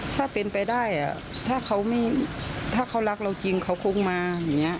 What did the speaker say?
ถ้าเป็นไปได้อะถ้าเค้าไม่ถ้าเค้ารักเราจริงเค้าคงมาอย่างเนี่ย